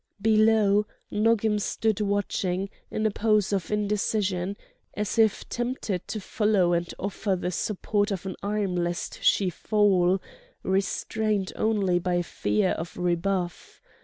Below, Nogam stood watching, in a pose of indecision, as if tempted to follow and offer the support of an arm lest she fall, restrained only by fear of a rebuff.